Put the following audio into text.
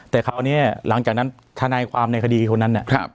แต่คราวนี้หลังจากนั้นทนายความในคดีคนนั้นเนี่ย